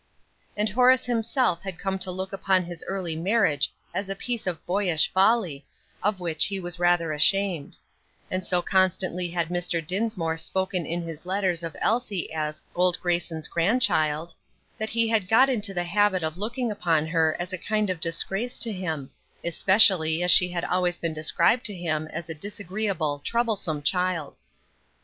And Horace himself had come to look upon his early marriage as a piece of boyish folly, of which he was rather ashamed; and so constantly had Mr. Dinsmore spoken in his letters of Elsie as "old Grayson's grandchild," that he had got into the habit of looking upon her as a kind of disgrace to him; especially as she had always been described to him as a disagreeable, troublesome child.